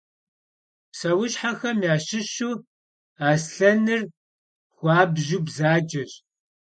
Pseuşhexem yaşışu aslhenır xuabju bzaceş.